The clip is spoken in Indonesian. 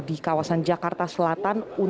di kawasan jakarta selatan untuk disolatkan